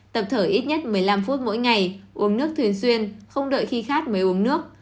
tập thở ít nhất một mươi năm phút mỗi ngày uống nước thường xuyên không đợi khi khát mới uống nước